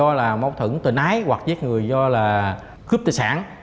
do là mâu thử tình ái hoặc giết người do là cướp tài sản